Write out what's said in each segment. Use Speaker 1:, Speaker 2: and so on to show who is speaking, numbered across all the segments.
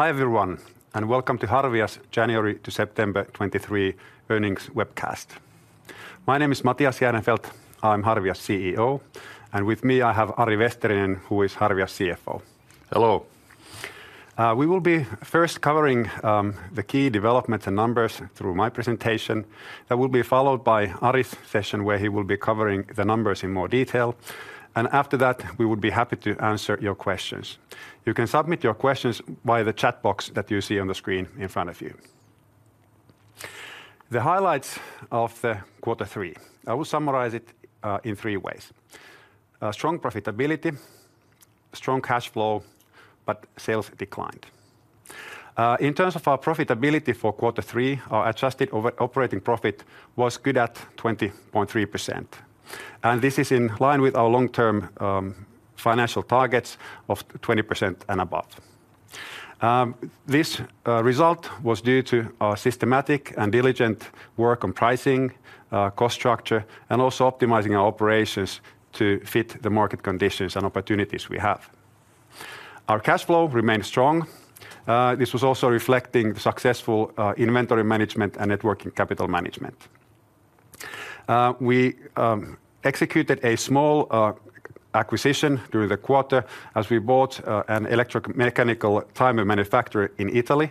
Speaker 1: Hi, everyone, and welcome to Harvia's January to September 2023 earnings webcast. My name is Matias Järnefelt. I'm Harvia's CEO, and with me, I have Ari Vesterinen, who is Harvia's CFO.
Speaker 2: Hello.
Speaker 1: We will be first covering the key developments and numbers through my presentation. That will be followed by Ari's session, where he will be covering the numbers in more detail, and after that, we would be happy to answer your questions. You can submit your questions via the chat box that you see on the screen in front of you. The highlights of quarter three, I will summarize it in three ways: strong profitability, strong cash flow, but sales declined. In terms of our profitability for quarter three, our adjusted operating profit was good at 20.3%, and this is in line with our long-term financial targets of 20% and above. This result was due to our systematic and diligent work on pricing, cost structure, and also optimizing our operations to fit the market conditions and opportunities we have. Our cash flow remained strong. This was also reflecting the successful, inventory management and net working capital management. We executed a small acquisition during the quarter as we bought an electromechanical timer manufacturer in Italy.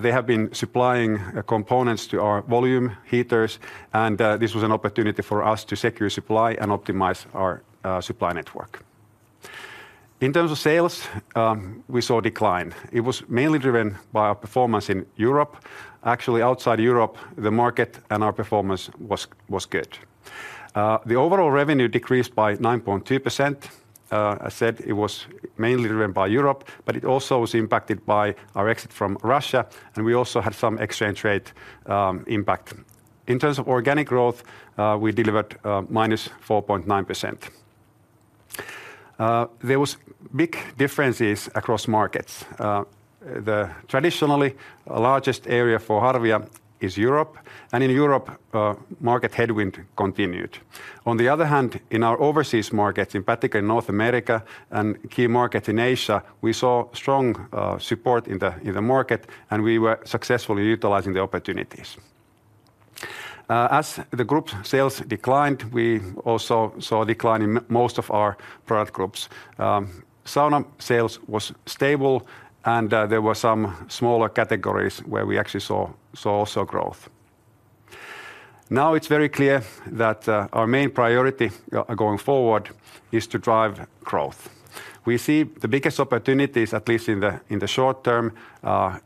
Speaker 1: They have been supplying components to our volume heaters, and this was an opportunity for us to secure supply and optimize our supply network. In terms of sales, we saw a decline. It was mainly driven by our performance in Europe. Actually, outside Europe, the market and our performance was good. The overall revenue decreased by 9.2%. I said it was mainly driven by Europe, but it also was impacted by our exit from Russia, and we also had some exchange rate impact. In terms of organic growth, we delivered minus 4.9%. There was big differences across markets. The traditionally largest area for Harvia is Europe, and in Europe, market headwind continued. On the other hand, in our overseas markets, in particular, North America and key markets in Asia, we saw strong support in the market, and we were successfully utilizing the opportunities. As the group's sales declined, we also saw a decline in most of our product groups. Sauna sales was stable, and there were some smaller categories where we actually saw also growth. Now, it's very clear that our main priority going forward is to drive growth. We see the biggest opportunities, at least in the short term,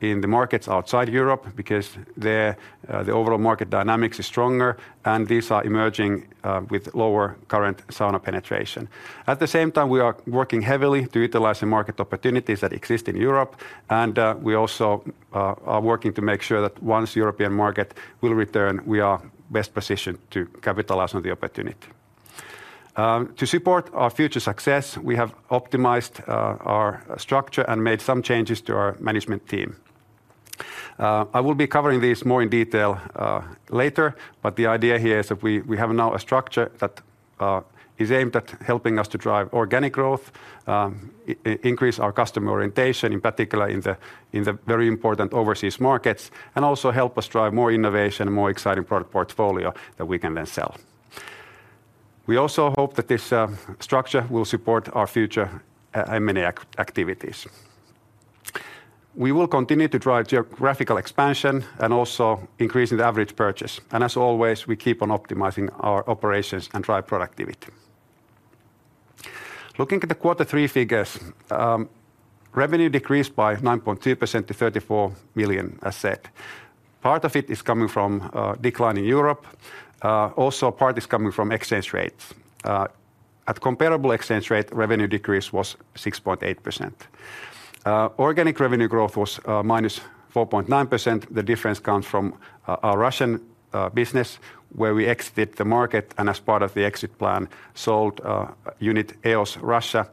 Speaker 1: in the markets outside Europe, because there the overall market dynamics is stronger, and these are emerging with lower current sauna penetration. At the same time, we are working heavily to utilize the market opportunities that exist in Europe, and we also are working to make sure that once European market will return, we are best positioned to capitalize on the opportunity. To support our future success, we have optimized our structure and made some changes to our management team. I will be covering this more in detail later, but the idea here is that we have now a structure that is aimed at helping us to drive organic growth, increase our customer orientation, in particular in the very important overseas markets, and also help us drive more innovation and more exciting product portfolio that we can then sell. We also hope that this structure will support our future and many activities. We will continue to drive geographical expansion and also increasing the average purchase. As always, we keep on optimizing our operations and drive productivity. Looking at the quarter three figures, revenue decreased by 9.2% to 34 million, as said. Part of it is coming from decline in Europe. Also, part is coming from exchange rates. At comparable exchange rate, revenue decrease was 6.8%. Organic revenue growth was -4.9%. The difference comes from our Russian business, where we exited the market, and as part of the exit plan, sold unit EOS Russia.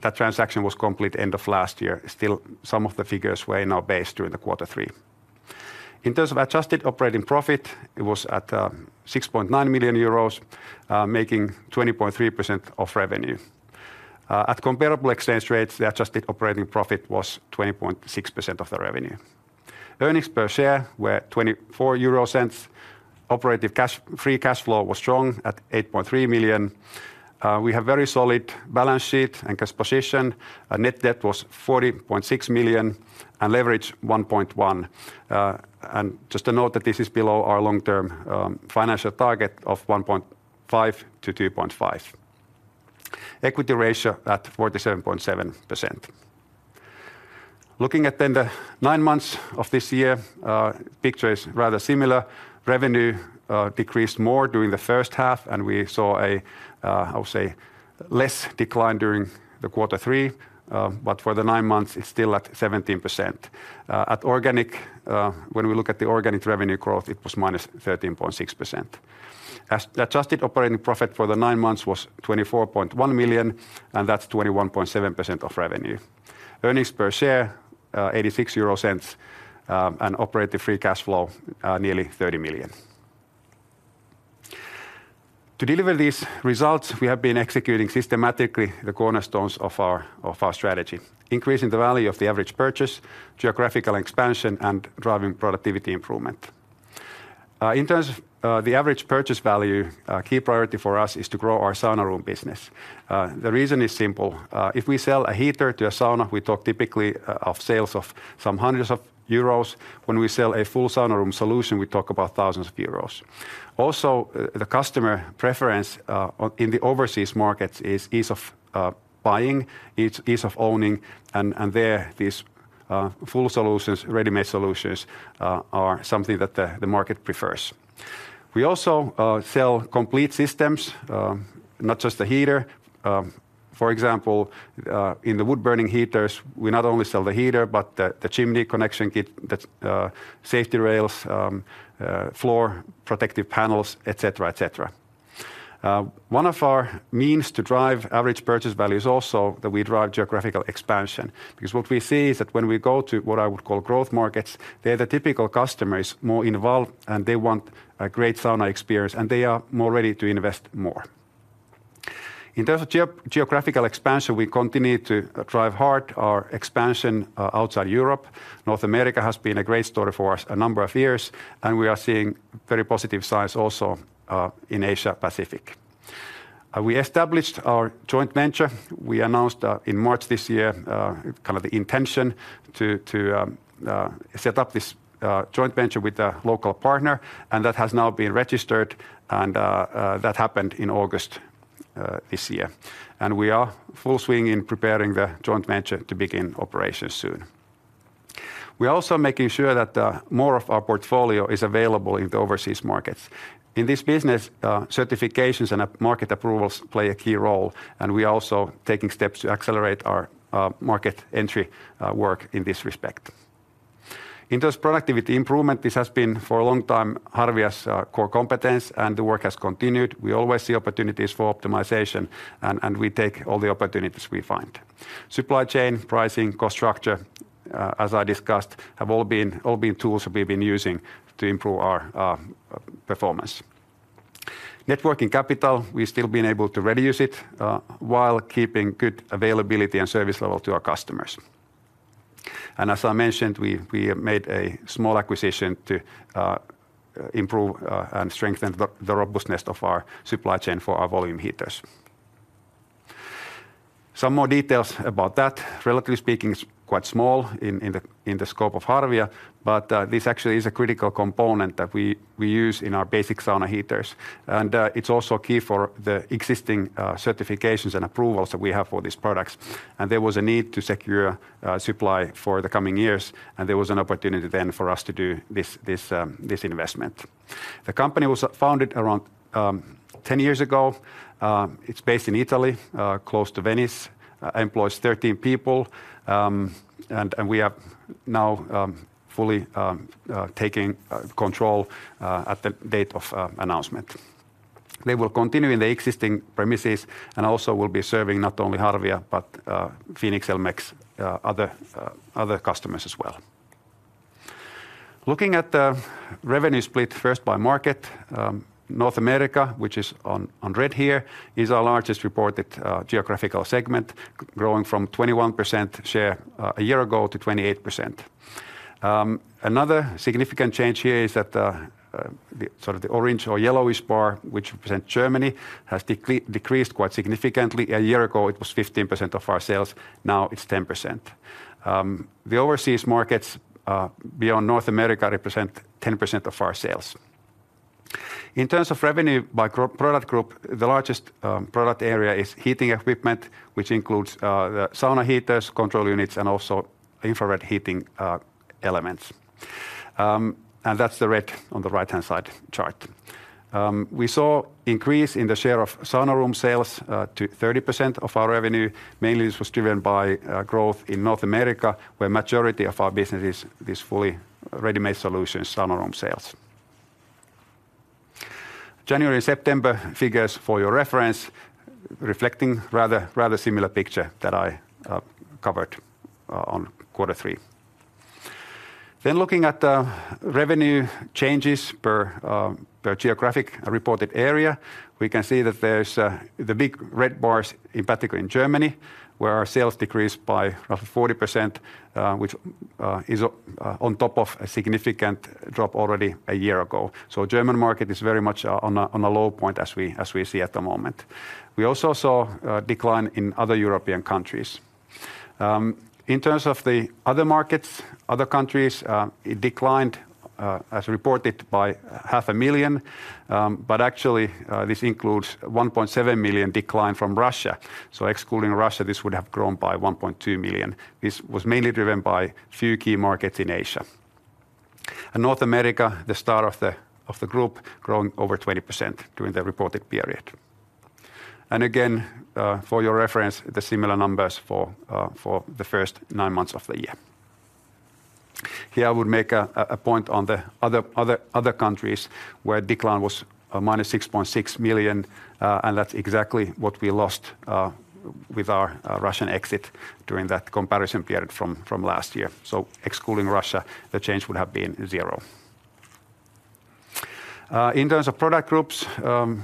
Speaker 1: That transaction was complete end of last year. Still, some of the figures were in our base during the quarter three. In terms of adjusted operating profit, it was at 6.9 million euros, making 20.3% of revenue. At comparable exchange rates, the adjusted operating profit was 20.6% of the revenue. Earnings per share were 0.24. Operating cash, free cash flow was strong at 8.3 million. We have very solid balance sheet and cash position. Our net debt was 40.6 million and leverage 1.1. And just to note that this is below our long-term financial target of 1.5-2.5. Equity ratio at 47.7%. Looking at then the nine months of this year, picture is rather similar. Revenue decreased more during the first half, and we saw a I would say less decline during the quarter three. But for the nine months, it's still at 17%. At organic, when we look at the organic revenue growth, it was -13.6%. Adjusted operating profit for the nine months was 24.1 million, and that's 21.7% of revenue. Earnings per share 0.86 EUR, and operative free cash flow nearly 30 million. To deliver these results, we have been executing systematically the cornerstones of our strategy: increasing the value of the average purchase, geographical expansion, and driving productivity improvement. In terms of the average purchase value, a key priority for us is to grow our sauna room business. The reason is simple. If we sell a heater to a sauna, we talk typically of sales of some hundreds of euros. When we sell a full sauna room solution, we talk about thousands of euros. Also, the customer preference in the overseas markets is ease of buying, it's ease of owning, and there, these full solutions, ready-made solutions, are something that the market prefers. We also sell complete systems, not just the heater. For example, in the wood-burning heaters, we not only sell the heater but the chimney connection kit, the safety rails, floor protective panels, et cetera, et cetera. One of our means to drive average purchase value is also that we drive geographical expansion, because what we see is that when we go to what I would call growth markets, there the typical customer is more involved, and they want a great sauna experience, and they are more ready to invest more. In terms of geographical expansion, we continue to drive hard our expansion outside Europe. North America has been a great story for us a number of years, and we are seeing very positive signs also in Asia Pacific. We established our joint venture. We announced in March this year kind of the intention to set up this joint venture with a local partner, and that has now been registered, and that happened in August this year. We are full swing in preparing the joint venture to begin operations soon. We are also making sure that more of our portfolio is available in the overseas markets. In this business, certifications and upmarket approvals play a key role, and we are also taking steps to accelerate our market entry work in this respect. In terms of productivity improvement, this has been, for a long time, Harvia's core competence, and the work has continued. We always see opportunities for optimization, and we take all the opportunities we find. Supply chain, pricing, cost structure, as I discussed, have all been tools we've been using to improve our performance. Net working capital, we've still been able to reduce it while keeping good availability and service level to our customers. As I mentioned, we have made a small acquisition to improve and strengthen the robustness of our supply chain for our volume heaters. Some more details about that. Relatively speaking, it's quite small in the scope of Harvia, but this actually is a critical component that we use in our basic sauna heaters. And it's also key for the existing certifications and approvals that we have for these products. And there was a need to secure supply for the coming years, and there was an opportunity then for us to do this investment. The company was founded around 10 years ago. It's based in Italy, close to Venice, employs 13 people. And we have now fully taking control at the date of announcement. They will continue in the existing premises and also will be serving not only Harvia but Phoenix El-Mec other customers as well. Looking at the revenue split, first by market, North America, which is on red here, is our largest reported geographical segment, growing from 21% share a year ago to 28%. Another significant change here is that, the sort of the orange or yellowish bar, which represent Germany, has decreased quite significantly. A year ago, it was 15% of our sales, now it's 10%. The overseas markets beyond North America represent 10% of our sales. In terms of revenue by product group, the largest product area is heating equipment, which includes the sauna heaters, control units, and also infrared heating elements. And that's the red on the right-hand side chart. We saw increase in the share of sauna room sales to 30% of our revenue. Mainly, this was driven by growth in North America, where majority of our business is fully ready-made solution sauna room sales. January-September figures for your reference, reflecting rather, rather similar picture that I covered on quarter three. Then looking at the revenue changes per per geographic reported area, we can see that there's a the big red bars, in particular in Germany, where our sales decreased by roughly 40%, which is on top of a significant drop already a year ago. So German market is very much on a, on a low point as we, as we see at the moment. We also saw a decline in other European countries. In terms of the other markets, other countries, it declined as reported by 0.5 million, but actually, this includes 1.7 million decline from Russia. So excluding Russia, this would have grown by 1.2 million. This was mainly driven by a few key markets in Asia and North America, the star of the group, growing over 20% during the reported period. And again, for your reference, the similar numbers for the first nine months of the year. Here, I would make a point on the other countries where decline was -6.6 million, and that's exactly what we lost with our Russian exit during that comparison period from last year. So excluding Russia, the change would have been zero. In terms of product groups, the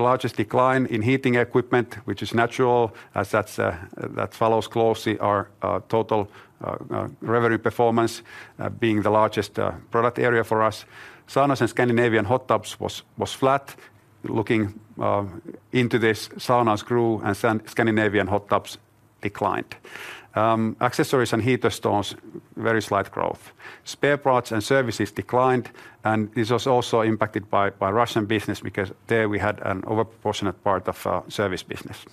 Speaker 1: largest decline in heating equipment, which is natural, as that follows closely our total revenue performance, being the largest product area for us. Saunas and Scandinavian hot tubs was flat. Looking into this, saunas grew and Scandinavian hot tubs declined. Accessories and heater stones, very slight growth. Spare parts and services declined, and this was also impacted by Russian business because there we had a disproportionate part of our service business.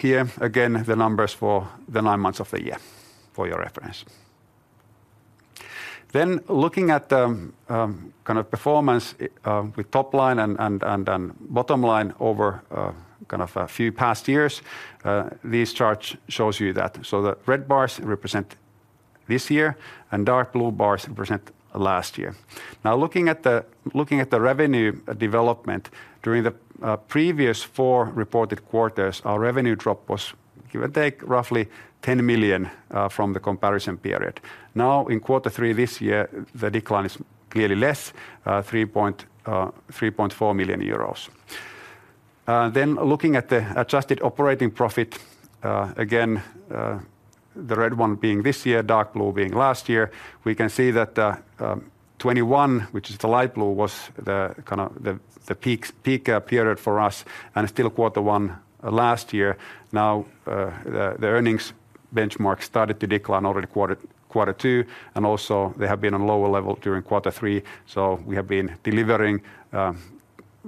Speaker 1: Here again, the numbers for the nine months of the year for your reference. Then looking at the kind of performance with top line and bottom line over kind of a few past years, this chart shows you that. So the red bars represent this year, and dark blue bars represent last year. Now, looking at the revenue development, during the previous four reported quarters, our revenue drop was, give or take, roughly 10 million from the comparison period. Now, in quarter three this year, the decline is clearly less, 3.4 million euros. Then looking at the adjusted operating profit, again, the red one being this year, dark blue being last year, we can see that, 2021, which is the light blue, was the kind of the peak period for us, and still quarter one last year. Now, the earnings benchmark started to decline already quarter two, and also they have been on lower level during quarter three. So we have been delivering,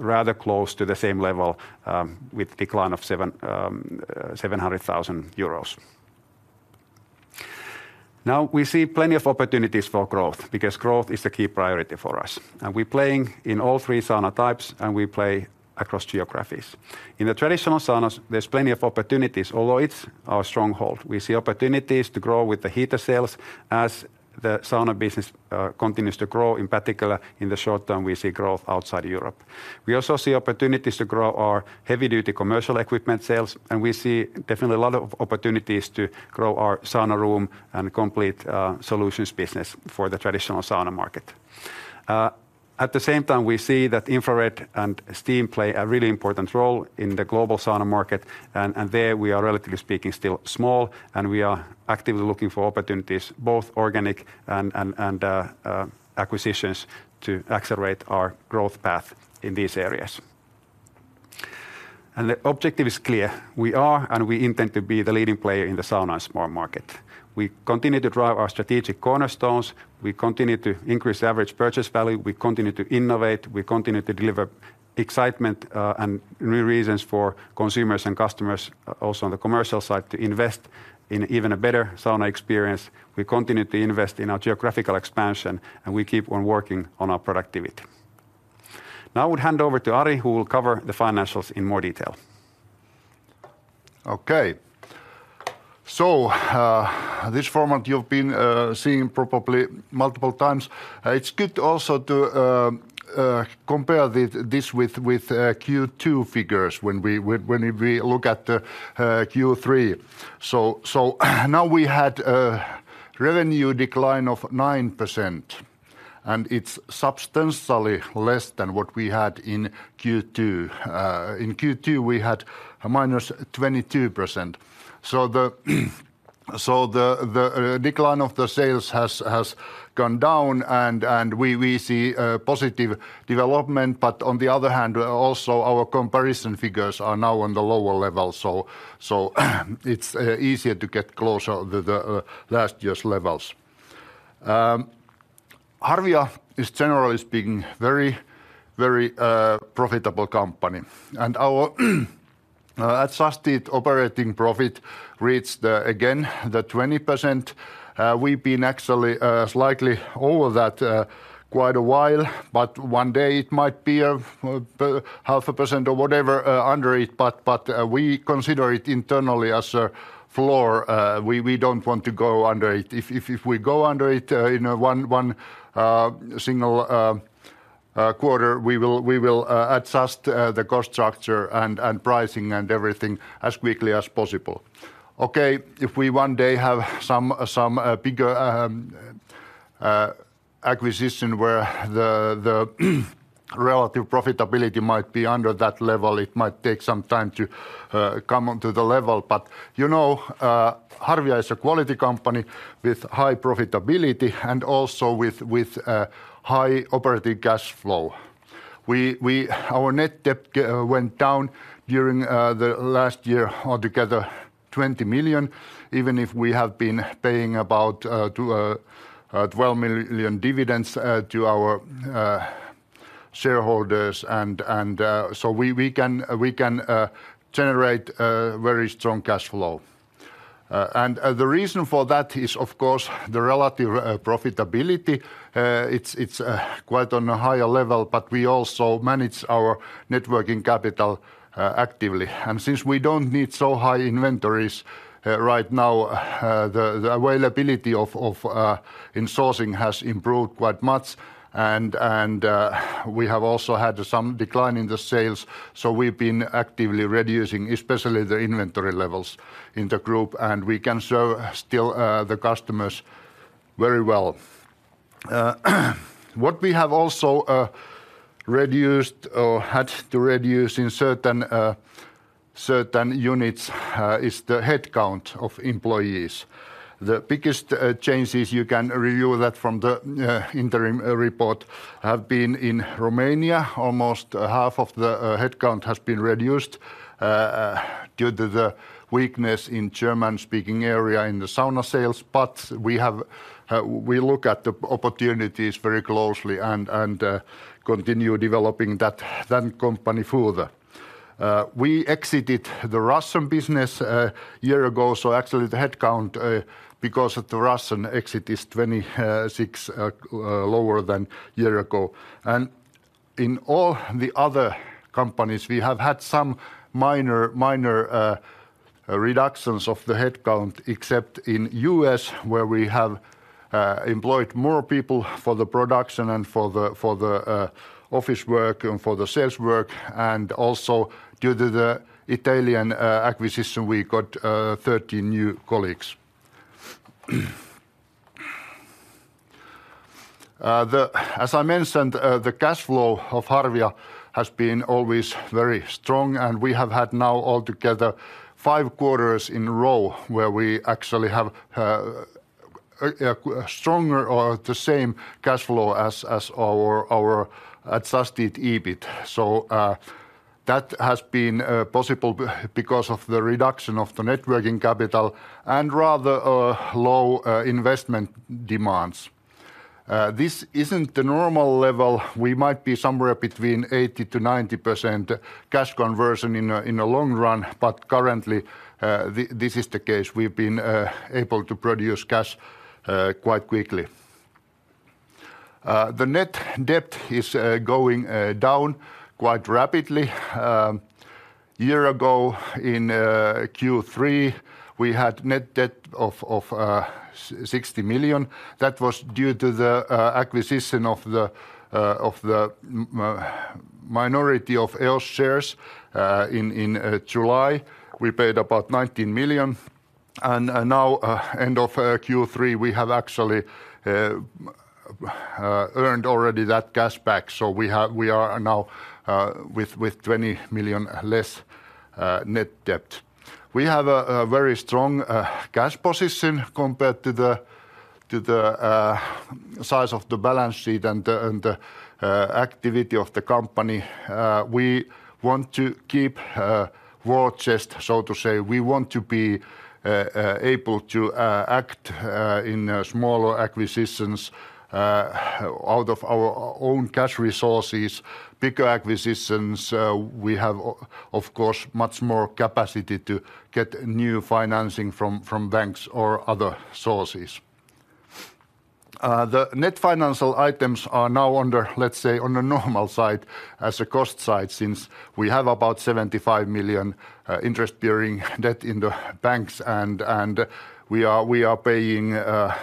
Speaker 1: rather close to the same level, with decline of 700 thousand euros. Now, we see plenty of opportunities for growth because growth is the key priority for us, and we're playing in all three sauna types, and we play across geographies. In the traditional saunas, there's plenty of opportunities, although it's our stronghold. We see opportunities to grow with the heater sales as the sauna business continues to grow. In particular, in the short term, we see growth outside Europe. We also see opportunities to grow our heavy-duty commercial equipment sales, and we see definitely a lot of opportunities to grow our sauna room and complete solutions business for the traditional sauna market. At the same time, we see that infrared and steam play a really important role in the global sauna market, and there we are, relatively speaking, still small, and we are actively looking for opportunities, both organic and acquisitions to accelerate our growth path in these areas. The objective is clear: we are, and we intend to be the leading player in the sauna and spa market. We continue to drive our strategic cornerstones. We continue to increase average purchase value. We continue to innovate. We continue to deliver excitement, and new reasons for consumers and customers, also on the commercial side, to invest in even a better sauna experience. We continue to invest in our geographical expansion, and we keep on working on our productivity. Now I would hand over to Ari, who will cover the financials in more detail.
Speaker 2: Okay. So, this format, you've been seeing probably multiple times. It's good also to compare this with Q2 figures when we look at the Q3. So now we had a revenue decline of 9%, and it's substantially less than what we had in Q2. In Q2, we had a -22%. So the decline of the sales has gone down, and we see a positive development. But on the other hand, also our comparison figures are now on the lower level, so it's easier to get closer to the last year's levels. Harvia is, generally speaking, very profitable company, and our adjusted operating profit reached again the 20%. We've been actually slightly over that quite a while, but one day it might be 0.5% or whatever under it, but we consider it internally as a floor. We don't want to go under it. If we go under it in one single quarter, we will adjust the cost structure and pricing and everything as quickly as possible. Okay, if we one day have some bigger acquisition, where the relative profitability might be under that level, it might take some time to come onto the level. But, you know, Harvia is a quality company with high profitability and also with high operating cash flow. We... Our net debt went down during the last year, altogether 20 million, even if we have been paying about 12 million dividends to our shareholders. So we can generate very strong cash flow. The reason for that is, of course, the relative profitability. It's quite on a higher level, but we also manage our net working capital actively. And since we don't need so high inventories right now, the availability of sourcing has improved quite much, and we have also had some decline in the sales, so we've been actively reducing, especially the inventory levels in the group, and we can serve still the customers very well. What we have also reduced or had to reduce in certain units is the headcount of employees. The biggest changes, you can review that from the interim report, have been in Romania. Almost half of the headcount has been reduced due to the weakness in German-speaking area in the sauna sales. But we look at the opportunities very closely and continue developing that company further. We exited the Russian business a year ago, so actually the headcount, because of the Russian exit, is 26 lower than year ago. In all the other companies, we have had some minor, minor, reductions of the headcount except in U.S., where we have employed more people for the production and for the office work and for the sales work, and also due to the Italian acquisition, we got 13 new colleagues. As I mentioned, the cash flow of Harvia has been always very strong, and we have had now altogether 5 quarters in a row where we actually have a stronger or the same cash flow as our adjusted EBIT. So, that has been possible because of the reduction of the net working capital and rather low investment demands. This isn't the normal level. We might be somewhere between 80%-90% cash conversion in a long run, but currently, this is the case. We've been able to produce cash quite quickly. The net debt is going down quite rapidly. A year ago, in Q3, we had net debt of 60 million. That was due to the acquisition of the minority of EOS shares. In July, we paid about 19 million, and now, end of Q3, we have actually earned already that cash back, so we are now with 20 million less net debt. We have a very strong cash position compared to the size of the balance sheet and the activity of the company. We want to keep war chest, so to say. We want to be able to act in smaller acquisitions out of our own cash resources. Bigger acquisitions, we have, of course, much more capacity to get new financing from banks or other sources. The net financial items are now under, let's say, on a normal side, as a cost side, since we have about 75 million interest-bearing debt in the banks, and we are paying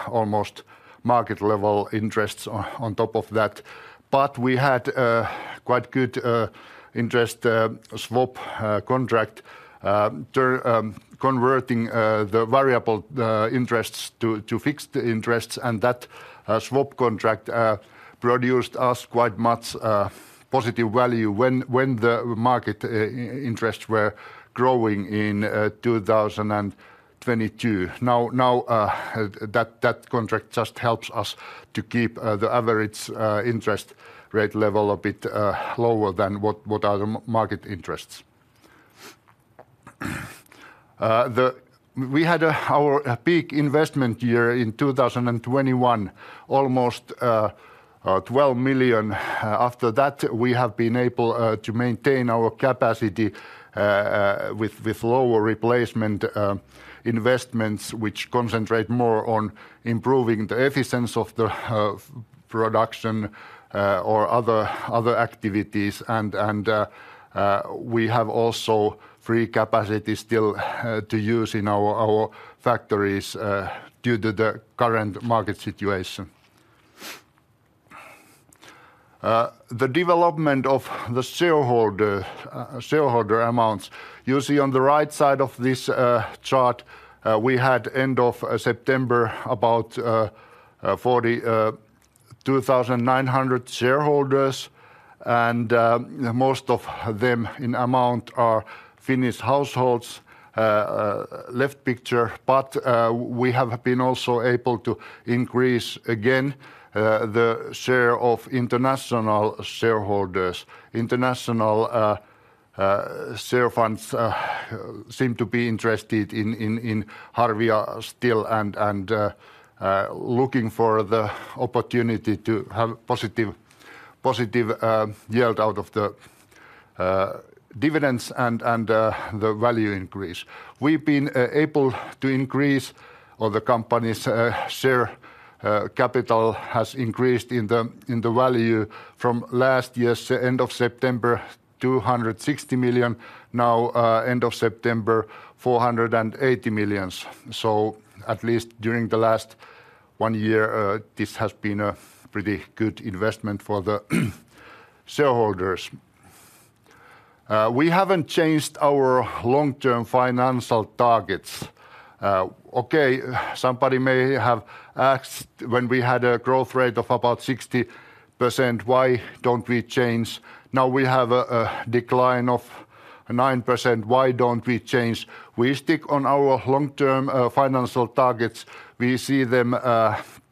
Speaker 2: almost market-level interests on top of that. But we had quite good interest swap contract term converting the variable interests to fixed interests, and that swap contract produced us quite much positive value when the market interests were growing in 2022. Now that contract just helps us to keep the average interest rate level a bit lower than what are the market interests. We had our peak investment year in 2021, almost 12 million. After that, we have been able to maintain our capacity with lower replacement investments, which concentrate more on improving the efficiency of the production or other activities, and we have also free capacity still to use in our factories due to the current market situation. The development of the shareholder amounts, you see on the right side of this chart, we had end of September, about 42,900 shareholders, and most of them in amount are Finnish households, left picture. But we have been also able to increase again the share of international shareholders. International share funds seem to be interested in Harvia still and looking for the opportunity to have positive yield out of the dividends and the value increase. We've been able to increase, or the company's share capital has increased in the value from last year's end of September, 260 million, now end of September, 480 million. So at least during the last one year, this has been a pretty good investment for the shareholders. We haven't changed our long-term financial targets. Okay, somebody may have asked when we had a growth rate of about 60%, why don't we change? Now we have a decline of 9%, why don't we change? We stick on our long-term financial targets. We see them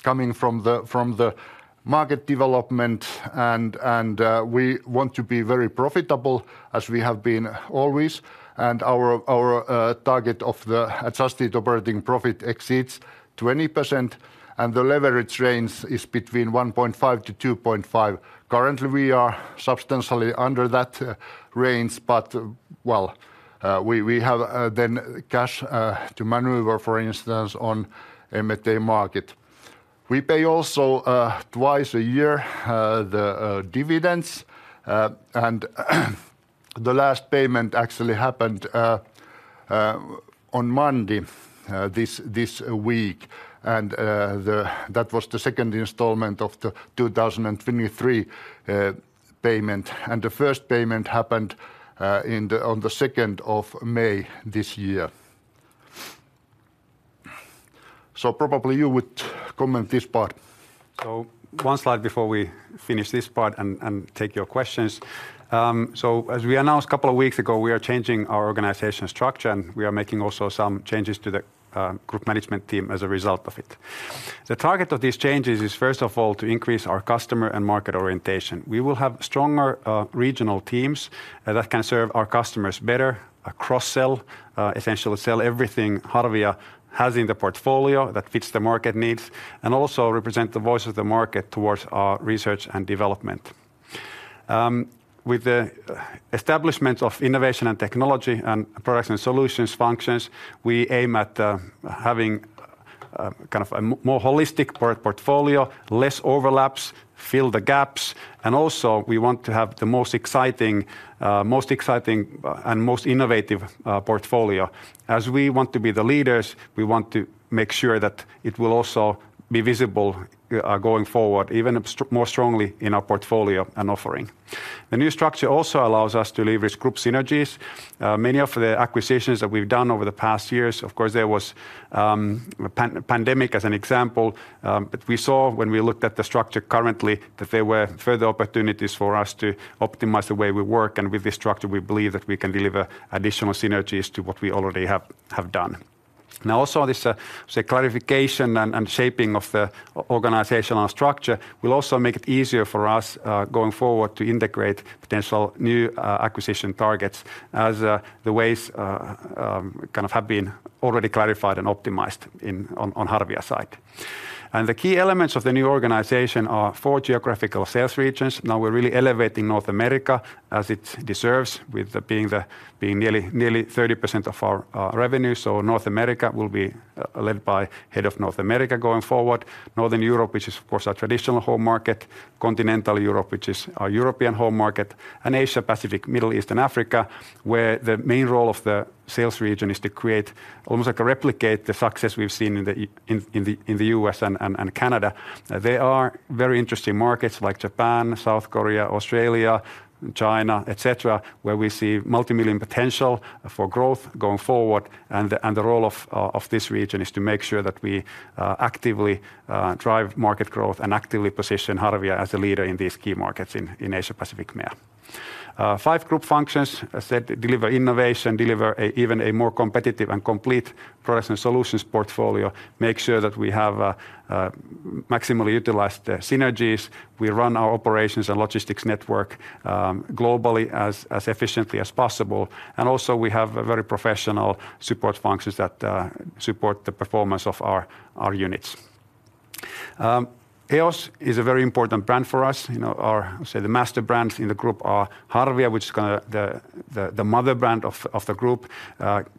Speaker 2: coming from the market development, and we want to be very profitable as we have been always, and our target of the adjusted operating profit exceeds 20%, and the leverage range is between 1.5-2.5. Currently, we are substantially under that range, but well, we have then cash to maneuver, for instance, on M&A market. We pay also twice a year the dividends. And the last payment actually happened on Monday this week, and the... That was the second installment of the 2023 payment, and the first payment happened on the 2nd of May this year. So probably you would comment this part.
Speaker 1: So one slide before we finish this part and take your questions. So as we announced a couple of weeks ago, we are changing our organization structure, and we are making also some changes to the group management team as a result of it. The target of these changes is, first of all, to increase our customer and market orientation. We will have stronger regional teams that can serve our customers better, cross-sell essentially sell everything Harvia has in the portfolio that fits the market needs, and also represent the voice of the market towards our research and development. With the establishment of innovation and technology and products and solutions functions, we aim at having kind of a more holistic portfolio, less overlaps, fill the gaps, and also we want to have the most exciting and most innovative portfolio. As we want to be the leaders, we want to make sure that it will also be visible going forward, even more strongly in our portfolio and offering. The new structure also allows us to leverage group synergies. Many of the acquisitions that we've done over the past years, of course, there was the pandemic as an example, but we saw when we looked at the structure currently that there were further opportunities for us to optimize the way we work, and with this structure, we believe that we can deliver additional synergies to what we already have done. Now, also, this clarification and shaping of the organizational structure will also make it easier for us going forward to integrate potential new acquisition targets as the ways kind of have been already clarified and optimized on Harvia side. And the key elements of the new organization are four geographical sales regions. Now we're really elevating North America as it deserves with being nearly 30% of our revenue. So North America will be led by head of North America going forward. Northern Europe, which is, of course, our traditional home market. Continental Europe, which is our European home market. And Asia Pacific, Middle East and Africa, where the main role of the sales region is to create, almost like replicate the success we've seen in the in the US and and Canada. They are very interesting markets like Japan, South Korea, Australia, China, et cetera, where we see multimillion potential for growth going forward, and the and the role of of this region is to make sure that we actively drive market growth and actively position Harvia as a leader in these key markets in in Asia Pacific, MEA. Five group functions, as said, deliver innovation, deliver a even a more competitive and complete products and solutions portfolio, make sure that we have maximally utilized the synergies, we run our operations and logistics network globally as efficiently as possible, and also we have a very professional support functions that support the performance of our units. EOS is a very important brand for us. You know, our, say the master brands in the group are Harvia, which is kind of the mother brand of the group.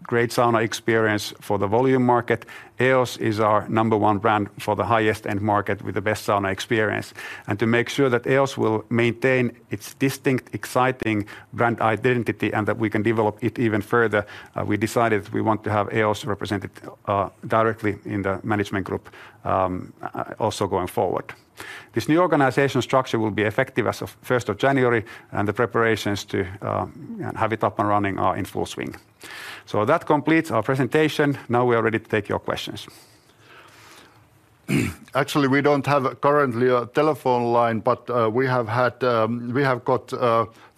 Speaker 1: Great sauna experience for the volume market. EOS is our number one brand for the highest end market with the best sauna experience, and to make sure that EOS will maintain its distinct, exciting brand identity and that we can develop it even further, we decided we want to have EOS represented directly in the management group, also going forward. This new organizational structure will be effective as of 1st of January, and the preparations to have it up and running are in full swing. That completes our presentation. Now we are ready to take your questions.
Speaker 2: Actually, we don't have currently a telephone line, but we have got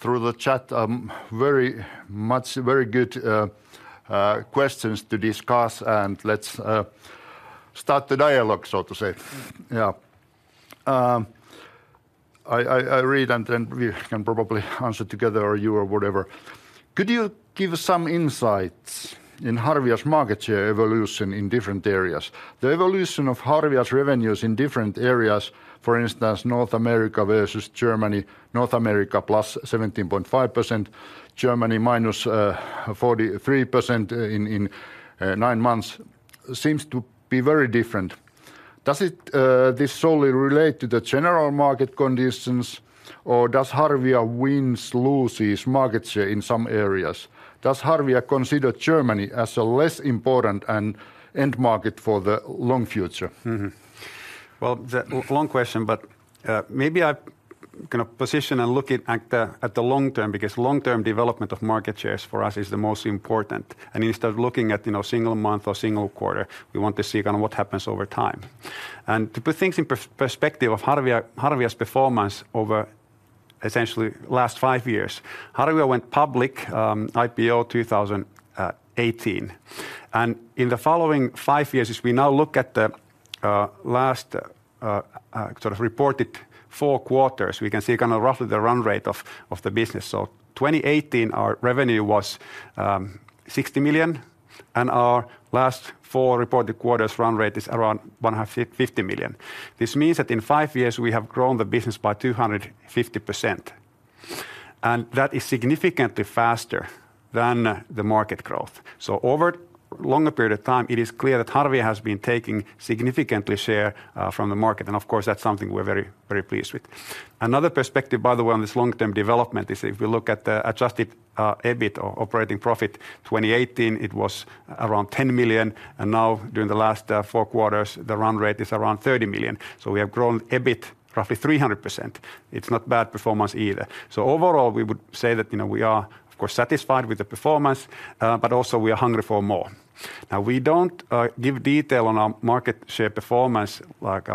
Speaker 2: through the chat very much very good questions to discuss, and let's start the dialogue, so to say. Yeah. I read, and then we can probably answer together or you or whatever. Could you give some insights in Harvia's market share evolution in different areas? The evolution of Harvia's revenues in different areas, for instance, North America versus Germany, North America +17.5%, Germany -43% in nine months, seems to be very different. Does this solely relate to the general market conditions, or does Harvia wins, loses market share in some areas? Does Harvia consider Germany as a less important and end market for the long future? Mm-hmm....
Speaker 1: Well, the long question, but, maybe I'm gonna position and look at the long term, because long-term development of market shares for us is the most important. And instead of looking at, you know, single month or single quarter, we want to see kind of what happens over time. And to put things in perspective of Harvia, Harvia's performance over essentially last 5 years, Harvia went public, IPO 2018. And in the following 5 years, as we now look at the last sort of reported 4 quarters, we can see kind of roughly the run rate of the business. So 2018, our revenue was 60 million, and our last 4 reported quarters' run rate is around 150 million. This means that in 5 years we have grown the business by 250%, and that is significantly faster than the market growth. So over longer period of time, it is clear that Harvia has been taking significantly share from the market. And of course, that's something we're very, very pleased with. Another perspective, by the way, on this long-term development is if we look at the adjusted EBIT or operating profit, 2018, it was around 10 million, and now during the last 4 quarters, the run rate is around 30 million. So we have grown EBIT roughly 300%. It's not bad performance either. So overall, we would say that, you know, we are, of course, satisfied with the performance, but also we are hungry for more. Now, we don't give detail on our market share performance, like,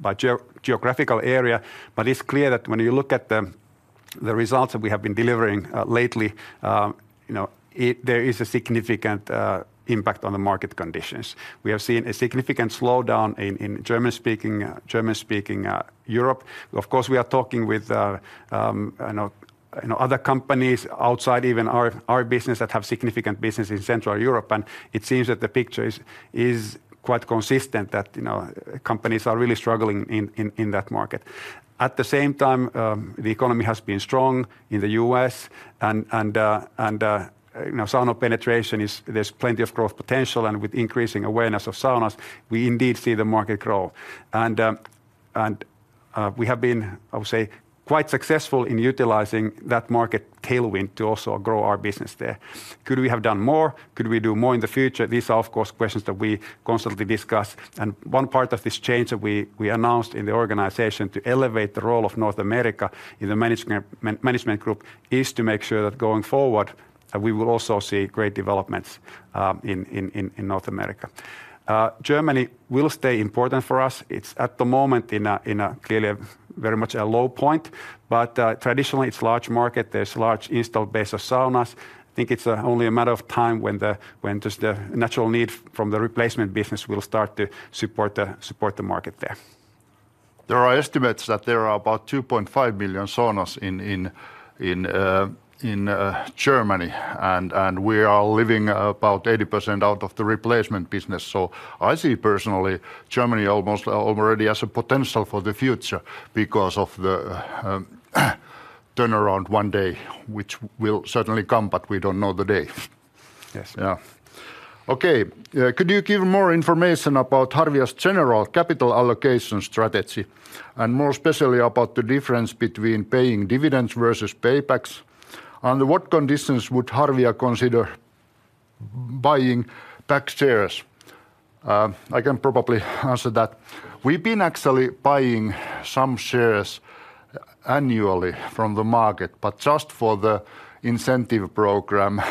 Speaker 1: by geographical area, but it's clear that when you look at the results that we have been delivering lately, you know, there is a significant impact on the market conditions. We have seen a significant slowdown in German-speaking Europe. Of course, we are talking with you know, other companies outside even our business that have significant business in Central Europe, and it seems that the picture is quite consistent that, you know, companies are really struggling in that market. At the same time, the economy has been strong in the U.S. and you know, sauna penetration is... There's plenty of growth potential, and with increasing awareness of saunas, we indeed see the market grow. We have been, I would say, quite successful in utilizing that market tailwind to also grow our business there. Could we have done more? Could we do more in the future? These are, of course, questions that we constantly discuss, and one part of this change that we announced in the organization to elevate the role of North America in the management group is to make sure that going forward, we will also see great developments in North America. Germany will stay important for us. It's at the moment in a clearly very much a low point, but traditionally, it's a large market. There's a large installed base of saunas. I think it's only a matter of time when just the natural need from the replacement business will start to support the market there.
Speaker 2: There are estimates that there are about 2.5 million saunas in Germany, and we are living about 80% out of the replacement business. So I see personally, Germany almost already as a potential for the future because of the turnaround one day, which will certainly come, but we don't know the day.
Speaker 1: Yes.
Speaker 2: Yeah. Okay, could you give more information about Harvia's general capital allocation strategy, and more especially about the difference between paying dividends versus buybacks? Under what conditions would Harvia consider buying back shares? I can probably answer that. We've been actually buying some shares annually from the market, but just for the incentive program,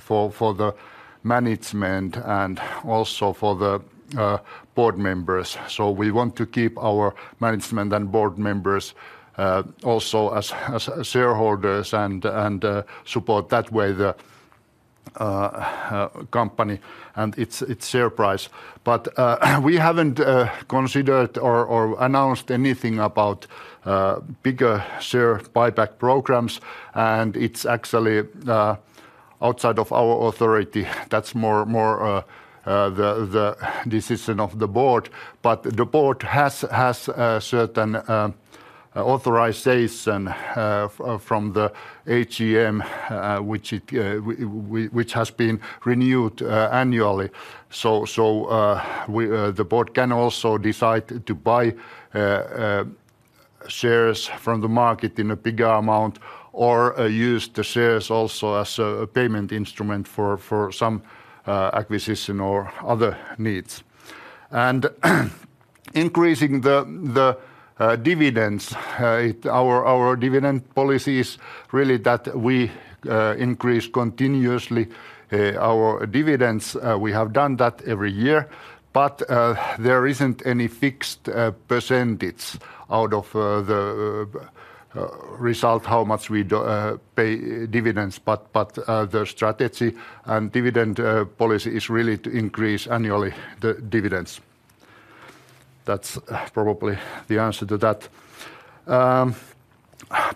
Speaker 2: for the management and also for the board members. So we want to keep our management and board members also as shareholders and support that way the company and its share price. But we haven't considered or announced anything about bigger share buyback programs, and it's actually outside of our authority. That's more the decision of the board. But the board has a certain authorization from the AGM, which has been renewed annually. The board can also decide to buy shares from the market in a bigger amount or use the shares also as a payment instrument for some acquisition or other needs. Increasing the dividends, our dividend policy is really that we increase continuously our dividends. We have done that every year, but there isn't any fixed percentage out of the result, how much we do pay dividends. The strategy and dividend policy is really to increase annually the dividends. That's probably the answer to that.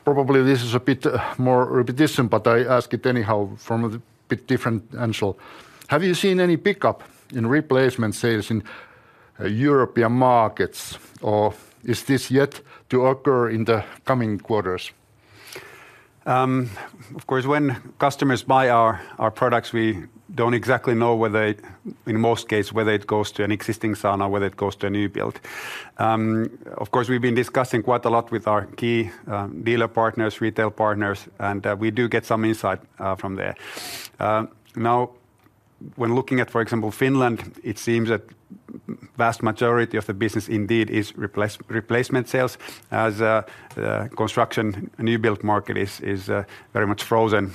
Speaker 2: Probably this is a bit more repetition, but I ask it anyhow from a bit different angle. Have you seen any pickup in replacement sales in European markets, or is this yet to occur in the coming quarters?
Speaker 1: Of course, when customers buy our products, we don't exactly know whether, in most cases, whether it goes to an existing sauna or whether it goes to a new build. Of course, we've been discussing quite a lot with our key dealer partners, retail partners, and we do get some insight from there. Now when looking at, for example, Finland, it seems that vast majority of the business indeed is replacement sales, as the construction new build market is very much frozen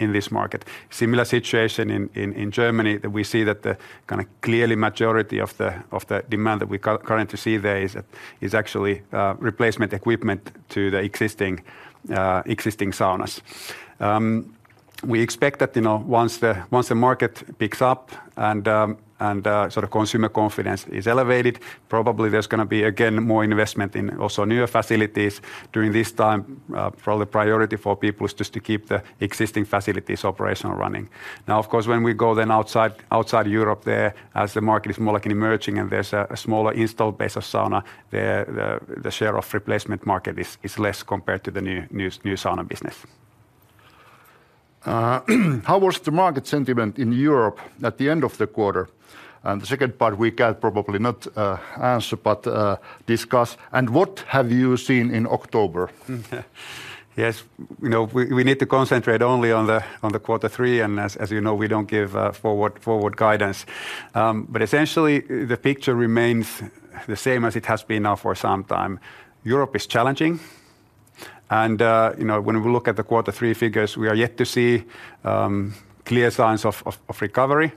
Speaker 1: in this market. Similar situation in Germany, that we see that the kind of clearly majority of the demand that we currently see there is actually replacement equipment to the existing saunas. We expect that, you know, once the, once the market picks up and, and, sort of consumer confidence is elevated, probably there's gonna be again, more investment in also newer facilities. During this time, probably priority for people is just to keep the existing facilities operational and running. Now, of course, when we go then outside, outside Europe there, as the market is more like an emerging and there's a smaller installed base of sauna, the share of replacement market is less compared to the new sauna business.
Speaker 2: How was the market sentiment in Europe at the end of the quarter? And the second part we can probably not answer, but discuss. And what have you seen in October?
Speaker 1: Yes, you know, we need to concentrate only on the quarter three, and as you know, we don't give forward guidance. But essentially, the picture remains the same as it has been now for some time. Europe is challenging, and you know, when we look at the quarter three figures, we are yet to see clear signs of recovery.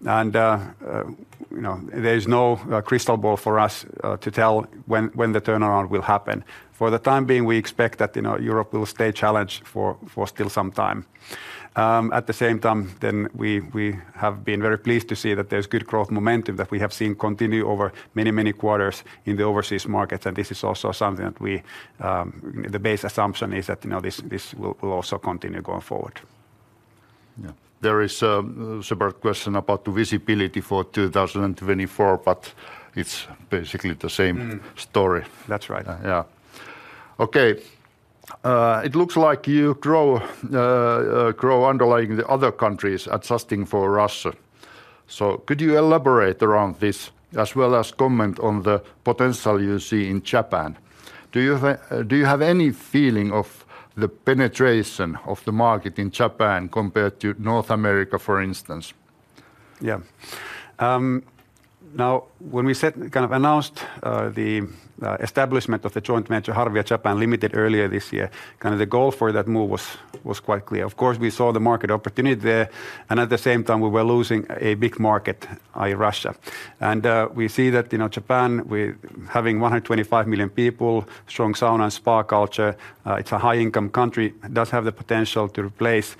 Speaker 1: You know, there is no crystal ball for us to tell when the turnaround will happen. For the time being, we expect that, you know, Europe will stay challenged for still some time. At the same time, we have been very pleased to see that there's good growth momentum that we have seen continue over many quarters in the overseas markets, and this is also something that we... The base assumption is that, you know, this will also continue going forward.
Speaker 2: Yeah. There is a separate question about the visibility for 2024, but it's basically the same-
Speaker 1: Mm...
Speaker 2: story.
Speaker 1: That's right.
Speaker 2: Yeah. Okay, it looks like you grow underlying the other countries, adjusting for Russia. So could you elaborate around this, as well as comment on the potential you see in Japan? Do you have any feeling of the penetration of the market in Japan compared to North America, for instance?
Speaker 1: Yeah. Now, when we kind of announced the establishment of the joint venture, Harvia Japan Limited, earlier this year, the goal for that move was quite clear. Of course, we saw the market opportunity there, and at the same time, we were losing a big market, Russia. We see that, you know, Japan with 125 million people, strong sauna and spa culture, it's a high-income country, does have the potential to replace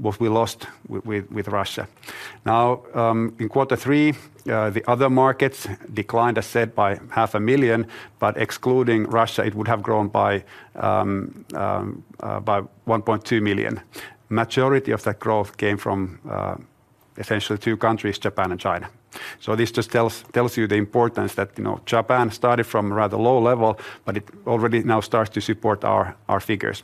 Speaker 1: what we lost with Russia. Now, in quarter three, the other markets declined, as said, by 0.5 million, but excluding Russia, it would have grown by 1.2 million. Majority of that growth came from essentially two countries, Japan and China. So this just tells you the importance that, you know, Japan started from a rather low level, but it already now starts to support our figures.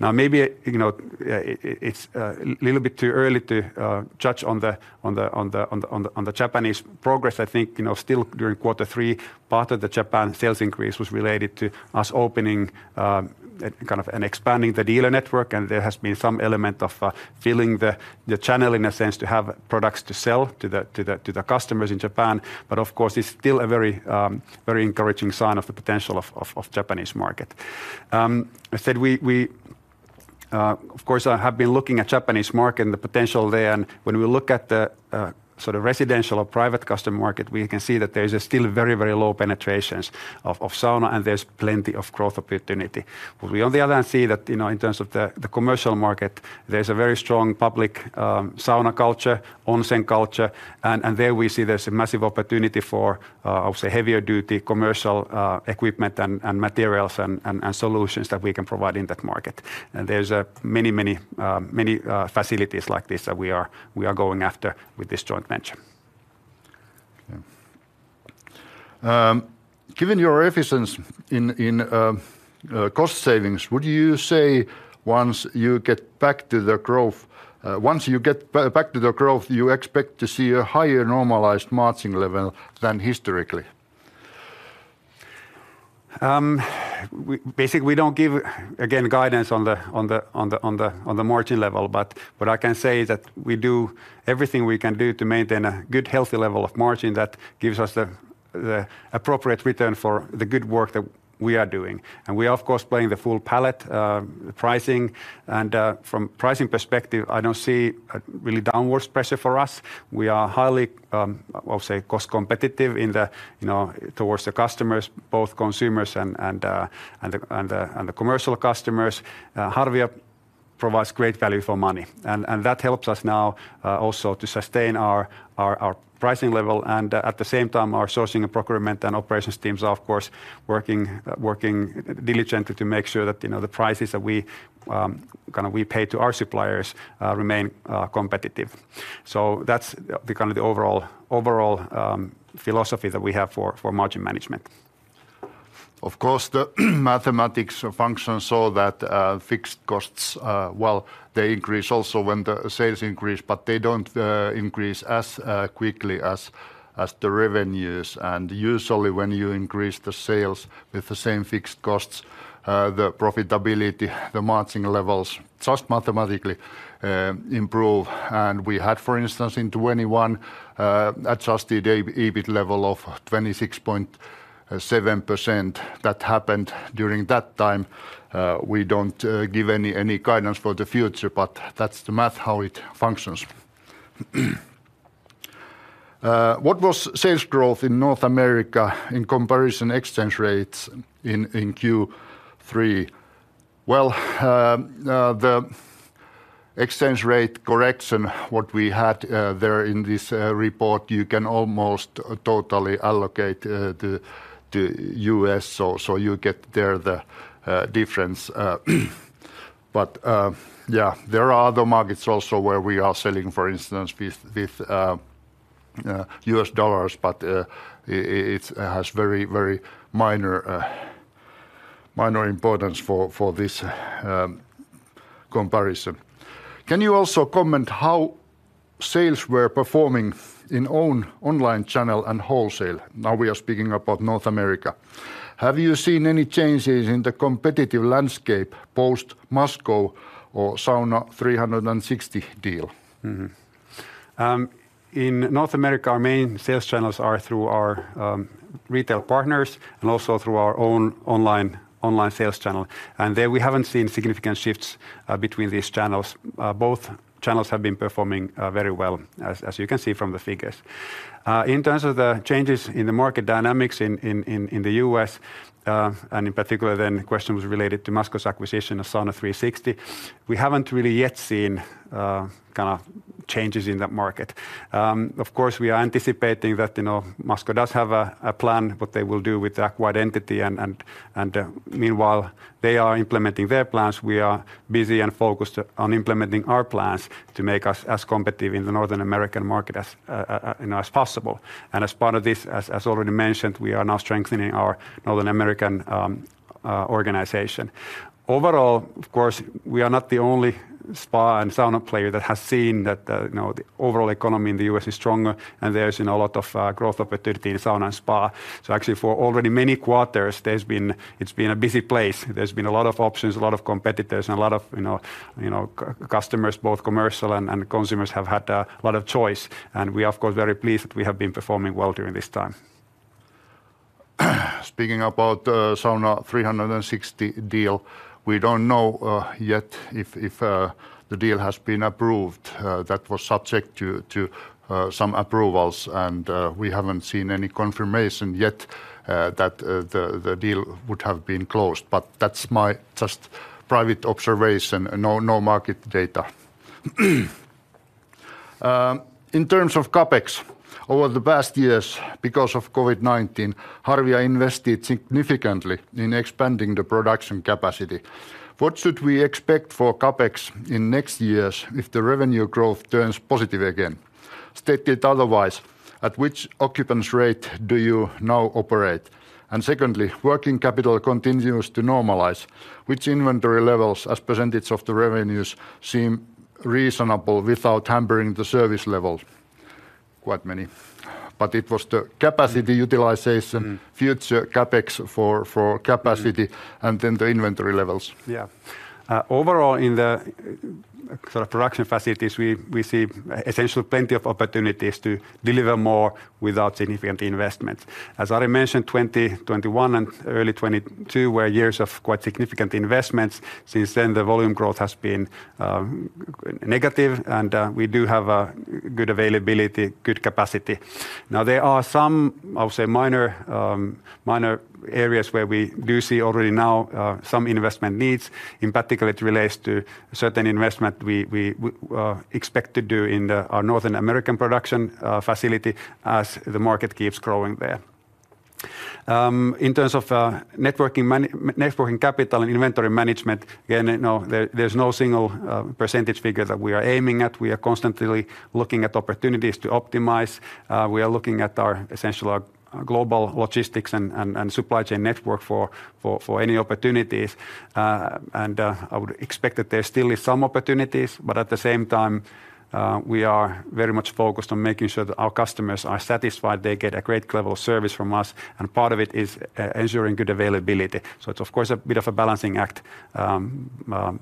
Speaker 1: Now, maybe, you know, it's a little bit too early to judge on the Japanese progress. I think, you know, still during quarter three, part of the Japan sales increase was related to us opening and kind of expanding the dealer network, and there has been some element of filling the channel in a sense to have products to sell to the customers in Japan. But of course, it's still a very encouraging sign of the potential of the Japanese market. I said we of course have been looking at Japanese market and the potential there, and when we look at the sort of residential or private customer market, we can see that there is a still very, very low penetrations of sauna, and there's plenty of growth opportunity. But we on the other hand see that you know in terms of the commercial market there's a very strong public sauna culture, onsen culture, and there we see there's a massive opportunity for obviously heavier-duty commercial equipment and materials and solutions that we can provide in that market. And there's many facilities like this that we are going after with this joint venture.
Speaker 2: Yeah. Given your efficiency in cost savings, would you say, once you get back to the growth, you expect to see a higher normalized margin level than historically?
Speaker 1: Basically, we don't give, again, guidance on the margin level but what I can say is that we do everything we can do to maintain a good, healthy level of margin that gives us the appropriate return for the good work that we are doing. And we are, of course, playing the full palette, pricing, and from pricing perspective, I don't see a really downwards pressure for us. We are highly, I'll say, cost-competitive in the, you know, towards the customers, both consumers and the commercial customers. Harvia provides great value for money, and that helps us now also to sustain our pricing level and at the same time, our sourcing and procurement and operations teams are, of course, working diligently to make sure that you know the prices that we kind of we pay to our suppliers remain competitive. So that's the kind of the overall philosophy that we have for margin management. ...
Speaker 2: Of course, the mathematics function, so that, fixed costs, well, they increase also when the sales increase, but they don't increase as quickly as the revenues. And usually when you increase the sales with the same fixed costs, the profitability, the margin levels, just mathematically, improve. And we had, for instance, in 2021, adjusted EBIT level of 26.7%. That happened during that time. We don't give any guidance for the future, but that's the math, how it functions. What was sales growth in North America in comparison exchange rates in Q3? Well, the exchange rate correction, what we had there in this report, you can almost totally allocate to US. So you get there the difference. But, yeah, there are other markets also where we are selling, for instance, with, with, U.S. dollars, but, it has very, very minor, minor importance for, for this, comparison. Can you also comment how sales were performing in own online channel and wholesale? Now we are speaking about North America. Have you seen any changes in the competitive landscape post Masco or Sauna360 deal?
Speaker 1: Mm-hmm. In North America, our main sales channels are through our retail partners and also through our own online sales channel. And there we haven't seen significant shifts between these channels. Both channels have been performing very well, as you can see from the figures. In terms of the changes in the market dynamics in the US, and in particular, then the question was related to Masco's acquisition of Sauna360, we haven't really yet seen kind of changes in that market. Of course, we are anticipating that, you know, Masco does have a plan what they will do with the acquired entity. Meanwhile, they are implementing their plans. We are busy and focused on implementing our plans to make us as competitive in the North American market as, you know, as possible. And as part of this, as already mentioned, we are now strengthening our North American organization. Overall, of course, we are not the only spa and sauna player that has seen that the, you know, the overall economy in the U.S. is stronger, and there's, you know, a lot of growth opportunity in sauna and spa. So actually, for already many quarters, it's been a busy place. There's been a lot of options, a lot of competitors, and a lot of, you know, you know, customers, both commercial and consumers, have had a lot of choice, and we are, of course, very pleased that we have been performing well during this time.
Speaker 2: Speaking about Sauna360 deal, we don't know yet if the deal has been approved. That was subject to some approvals, and we haven't seen any confirmation yet that the deal would have been closed. But that's my just private observation, no market data. In terms of CapEx, over the past years, because of COVID-19, Harvia invested significantly in expanding the production capacity. What should we expect for CapEx in next years if the revenue growth turns positive again? Stated otherwise, at which occupancy rate do you now operate? And secondly, working capital continues to normalize, which inventory levels, as percentage of the revenues, seem reasonable without hampering the service level? Quite many. But it was the capacity utilization-
Speaker 1: Mm.
Speaker 2: future CapEx for capacity
Speaker 1: Mm.
Speaker 2: and then the inventory levels.
Speaker 1: Yeah. Overall, in the sort of production facilities, we see essentially plenty of opportunities to deliver more without significant investment. As Ari mentioned, 2021 and early 2022 were years of quite significant investments. Since then, the volume growth has been negative, and we do have a good availability, good capacity. Now, there are some, I would say, minor areas where we do see already now some investment needs. In particular, it relates to certain investment we expect to do in our North American production facility as the market keeps growing there. In terms of net working capital and inventory management, again, no, there's no single percentage figure that we are aiming at. We are constantly looking at opportunities to optimize. We are looking at our essentially our global logistics and supply chain network for any opportunities. I would expect that there still is some opportunities, but at the same time, we are very much focused on making sure that our customers are satisfied, they get a great level of service from us, and part of it is ensuring good availability. So it's of course a bit of a balancing act,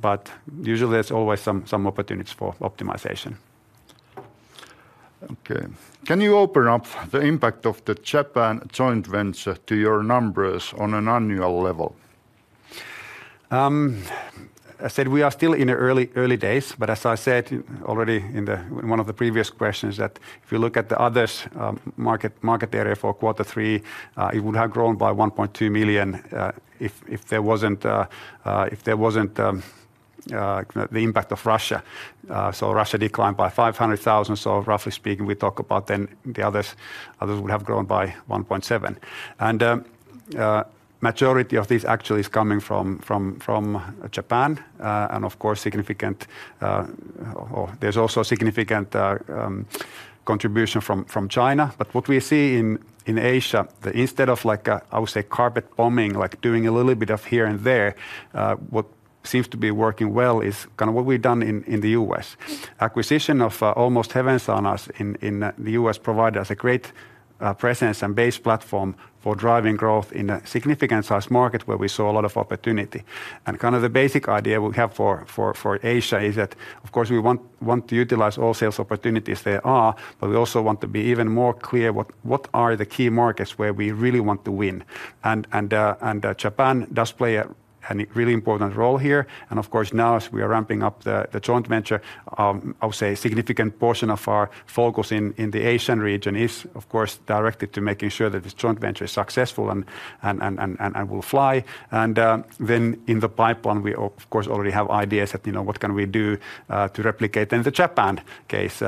Speaker 1: but usually there's always some opportunities for optimization.
Speaker 2: Okay. Can you open up the impact of the Japan joint venture to your numbers on an annual level?
Speaker 1: I said we are still in the early, early days, but as I said already in one of the previous questions, that if you look at the other market area for quarter three, it would have grown by 1.2 million, if there wasn't the impact of Russia. So Russia declined by 500 thousand. So roughly speaking, we talk about then the others would have grown by 1.7 million. And majority of this actually is coming from Japan, and of course, significant... Oh, there's also significant contribution from China. But what we see in Asia, that instead of like a, I would say, carpet bombing, like doing a little bit of here and there, what-... seems to be working well is kind of what we've done in the US. Acquisition of Almost Heaven Saunas in the US provided us a great presence and base platform for driving growth in a significant-sized market where we saw a lot of opportunity. And kind of the basic idea we have for Asia is that, of course, we want to utilize all sales opportunities there are, but we also want to be even more clear what are the key markets where we really want to win? And Japan does play a really important role here. Of course, now as we are ramping up the joint venture, I would say a significant portion of our focus in the Asian region is, of course, directed to making sure that this joint venture is successful and will fly. Then in the pipeline, we of course already have ideas that, you know, what can we do to replicate in the Japan case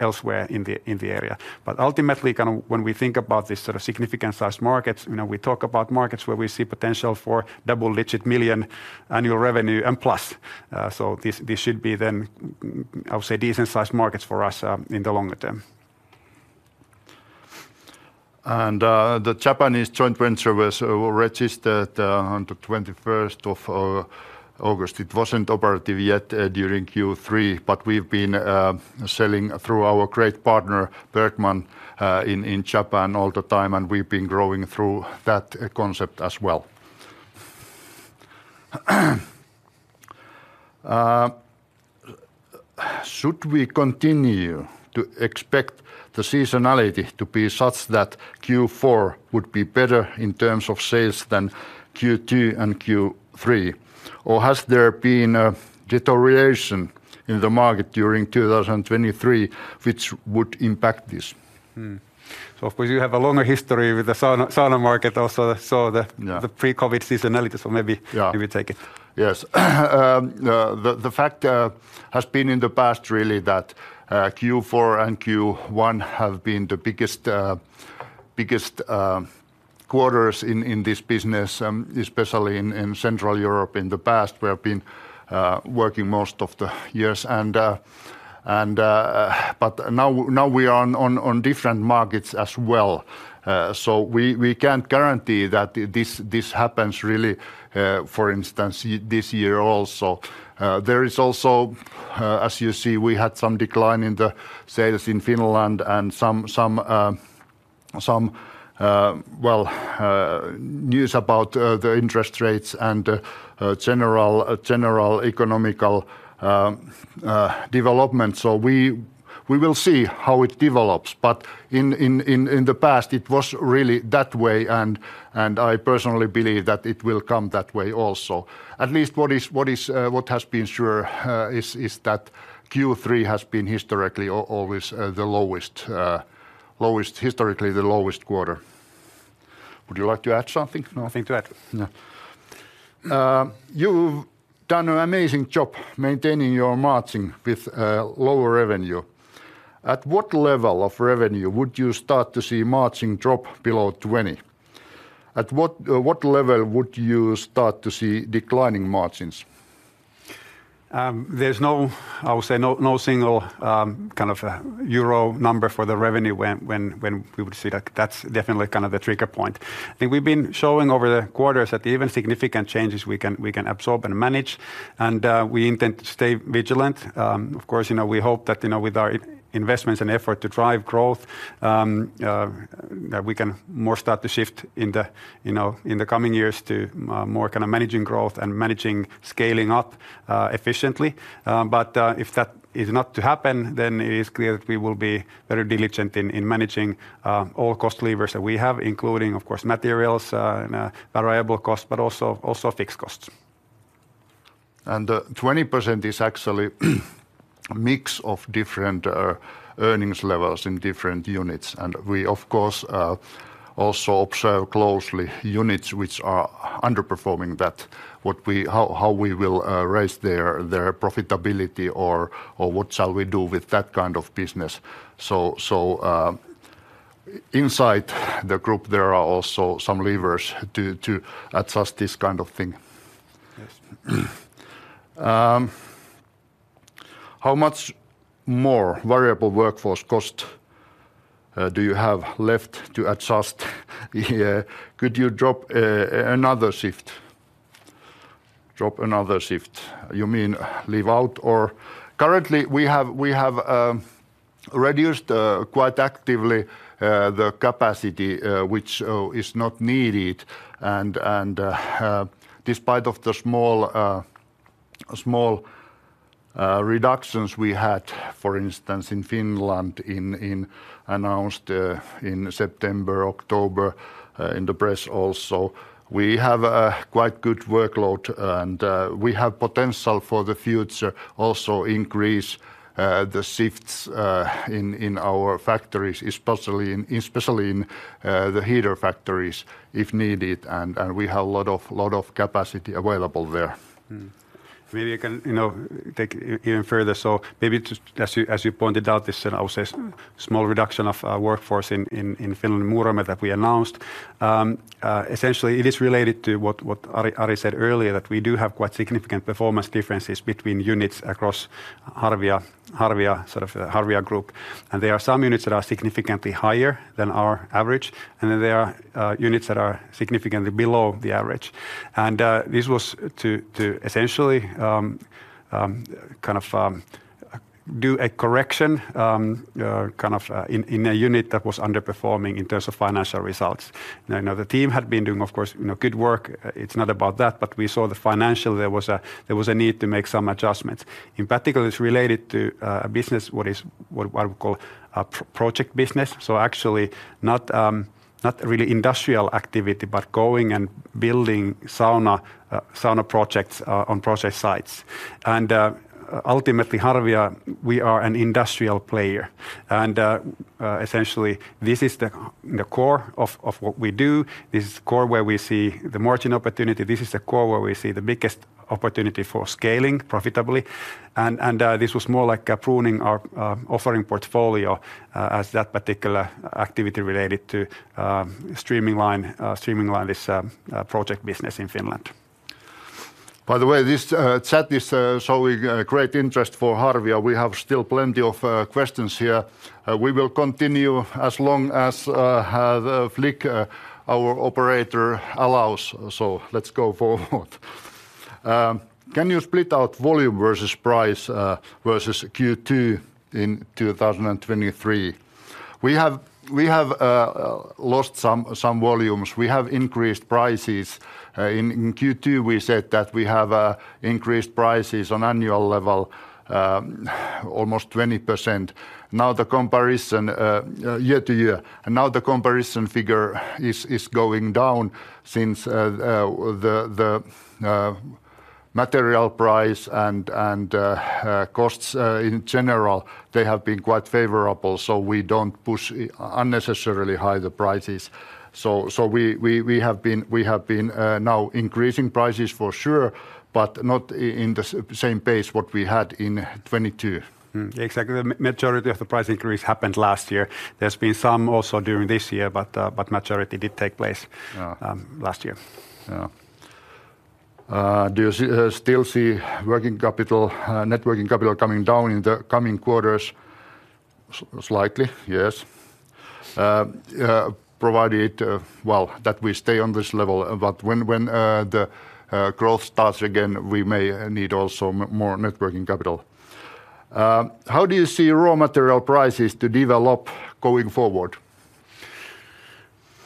Speaker 1: elsewhere in the area. But ultimately, kind of when we think about this sort of significant-sized markets, you know, we talk about markets where we see potential for double-digit million annual revenue and plus. So this should be then, I would say, decent-sized markets for us in the longer term.
Speaker 2: The Japanese joint venture was registered on the 21st of August. It wasn't operative yet during Q3, but we've been selling through our great partner, Bergman, in Japan all the time, and we've been growing through that concept as well. Should we continue to expect the seasonality to be such that Q4 would be better in terms of sales than Q2 and Q3, or has there been a deterioration in the market during 2023 which would impact this?
Speaker 1: So of course, you have a longer history with the sauna, sauna market also, so the-
Speaker 2: Yeah...
Speaker 1: the pre-COVID seasonality, so maybe-
Speaker 2: Yeah...
Speaker 1: you will take it.
Speaker 2: Yes. The fact has been in the past really that Q4 and Q1 have been the biggest quarters in this business, especially in Central Europe in the past, where I've been working most of the years. But now we are on different markets as well. So we can't guarantee that this happens really, for instance, this year also. There is also, as you see, we had some decline in the sales in Finland and some, well, news about the interest rates and general economic development. So we will see how it develops, but in the past, it was really that way, and I personally believe that it will come that way also. At least what has been sure is that Q3 has been historically always the lowest quarter. Would you like to add something?
Speaker 1: Nothing to add.
Speaker 2: No. You've done an amazing job maintaining your margin with lower revenue. At what level of revenue would you start to see margin drop below 20? At what level would you start to see declining margins?
Speaker 1: There's no, I would say, no single kind of euro number for the revenue when we would see that. That's definitely kind of the trigger point. I think we've been showing over the quarters that even significant changes, we can absorb and manage, and we intend to stay vigilant. Of course, you know, we hope that, you know, with our investments and effort to drive growth, that we can more start to shift in the, you know, in the coming years to, more kind of managing growth and managing scaling up, efficiently. But, if that is not to happen, then it is clear that we will be very diligent in managing all cost levers that we have, including, of course, materials, and variable costs, but also fixed costs.
Speaker 2: 20% is actually a mix of different earnings levels in different units. And we, of course, also observe closely units which are underperforming, how we will raise their profitability or what shall we do with that kind of business. So, inside the group, there are also some levers to adjust this kind of thing.
Speaker 1: Yes.
Speaker 2: How much more variable workforce cost do you have left to adjust here? Could you drop another shift? Drop another shift. You mean leave out, or... Currently, we have reduced quite actively the capacity which is not needed. And despite the small reductions we had, for instance, in Finland, announced in September, October, in the press also, we have a quite good workload, and we have potential for the future, also increase the shifts in our factories, especially in the heater factories, if needed, and we have a lot of capacity available there.
Speaker 1: Maybe I can, you know, take even further. So maybe just as you pointed out, this, I would say, small reduction of workforce in Finland, Muurame, that we announced. Essentially, it is related to what Ari said earlier, that we do have quite significant performance differences between units across Harvia, sort of Harvia group. And there are some units that are significantly higher than our average, and then there are units that are significantly below the average. And this was to essentially kind of do a correction kind of in a unit that was underperforming in terms of financial results. Now the team had been doing, of course, you know, good work. It's not about that. But we saw the financials. There was a need to make some adjustments. In particular, it's related to business, what we call a project business. So actually, not really industrial activity, but going and building sauna projects on project sites. And ultimately, Harvia, we are an industrial player. And essentially, this is the core of what we do. This is the core where we see the margin opportunity. This is the core where we see the biggest opportunity for scaling profitably. And this was more like a pruning our offering portfolio, as that particular activity related to streamlining this project business in Finland.
Speaker 2: By the way, this chat is showing great interest for Harvia. We have still plenty of questions here. We will continue as long as the Flik, our operator allows, so let's go forward. Can you split out volume versus price versus Q2 in 2023? We have lost some volumes. We have increased prices. In Q2, we said that we have increased prices on annual level, almost 20%. Now, the comparison year-to-year. And now the comparison figure is going down since the material price and costs in general, they have been quite favorable, so we don't push unnecessarily high the prices. So, we have been now increasing prices for sure, but not in the same pace what we had in 2022.
Speaker 1: Exactly. The majority of the price increase happened last year. There's been some also during this year, but, but majority did take place-
Speaker 2: Yeah...
Speaker 1: last year.
Speaker 2: Yeah. Do you still see working capital, net working capital coming down in the coming quarters? Slightly, yes. Provided, well, that we stay on this level, but when the growth starts again, we may need also more net working capital. How do you see raw material prices to develop going forward?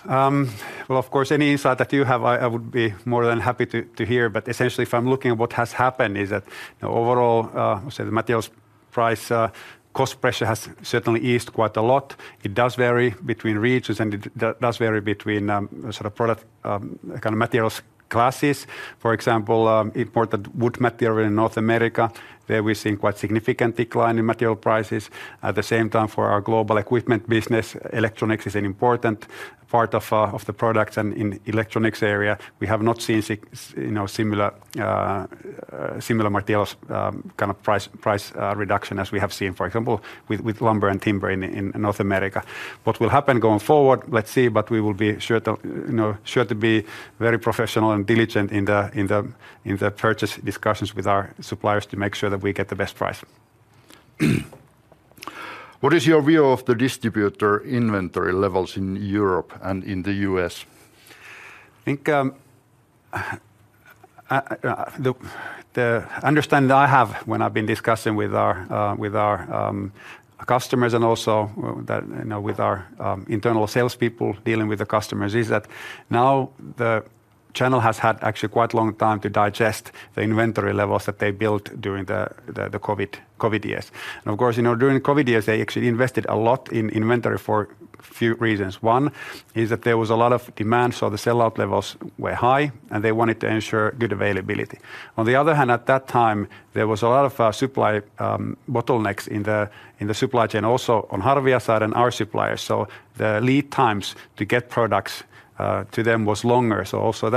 Speaker 1: Well, of course, any insight that you have, I would be more than happy to hear, but essentially, if I'm looking at what has happened, is that the overall, say, the materials price cost pressure has certainly eased quite a lot. It does vary between regions, and it does vary between, sort of product, kind of materials classes. For example, imported wood material in North America, there we're seeing quite significant decline in material prices. At the same time, for our global equipment business, electronics is an important part of the product. And in electronics area, we have not seen you know, similar, similar materials, kind of price, price reduction as we have seen, for example, with, with lumber and timber in, in North America. What will happen going forward? Let's see, but we will be sure to, you know, be very professional and diligent in the purchase discussions with our suppliers to make sure that we get the best price.
Speaker 2: What is your view of the distributor inventory levels in Europe and in the U.S.?
Speaker 1: I think, the understanding I have when I've been discussing with our customers and also, you know, with our internal salespeople dealing with the customers, is that now the channel has had actually quite a long time to digest the inventory levels that they built during the COVID years. And of course, you know, during the COVID years, they actually invested a lot in inventory for a few reasons. One is that there was a lot of demand, so the sell-out levels were high, and they wanted to ensure good availability. On the other hand, at that time, there was a lot of supply bottlenecks in the supply chain, also on Harvia side and our suppliers. So the lead times to get products to them was longer. So also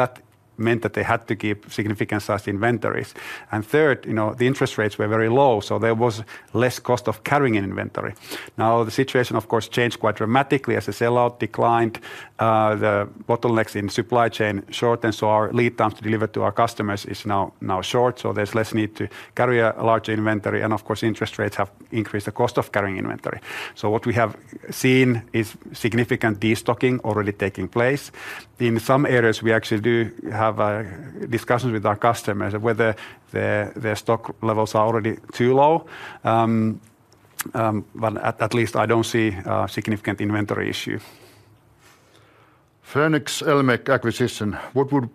Speaker 1: that meant that they had to keep significant sized inventories. And third, you know, the interest rates were very low, so there was less cost of carrying an inventory. Now, the situation, of course, changed quite dramatically as the sell-out declined. The bottlenecks in supply chain shortened, so our lead time to deliver to our customers is now short. So there's less need to carry a large inventory, and of course, interest rates have increased the cost of carrying inventory. So what we have seen is significant de-stocking already taking place. In some areas, we actually do have discussions with our customers whether their stock levels are already too low. But at least, I don't see a significant inventory issue.
Speaker 2: Phoenix El-Mec acquisition, what would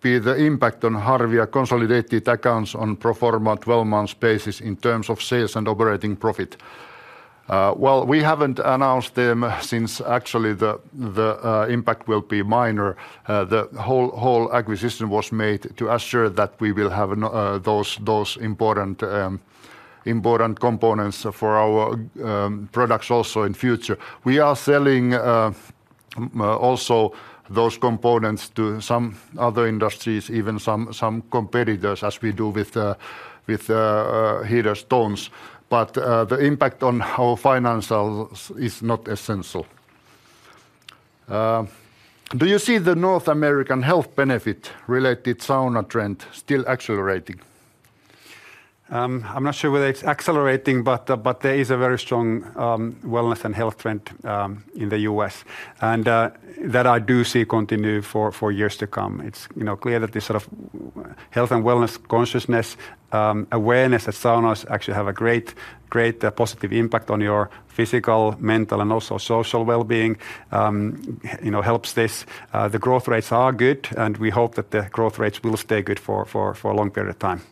Speaker 2: be the impact on Harvia consolidated accounts on pro forma 12 months basis in terms of sales and operating profit? Well, we haven't announced them since actually the impact will be minor. The whole acquisition was made to assure that we will have those important components for our products also in future. We are selling also those components to some other industries, even some competitors, as we do with the heater stones. But the impact on our financials is not essential. Do you see the North American health benefit related sauna trend still accelerating?
Speaker 1: I'm not sure whether it's accelerating, but there is a very strong wellness and health trend in the US, and that I do see continue for years to come. It's, you know, clear that this sort of health and wellness consciousness, awareness that saunas actually have a great, great positive impact on your physical, mental, and also social wellbeing, you know, helps this. The growth rates are good, and we hope that the growth rates will stay good for a long period of time.